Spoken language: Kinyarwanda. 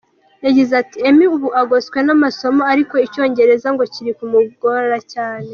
Yagize ati: “Emmy ubu agoswe n’amasomo ariko icyongereza ngo kiri kumgora cyane.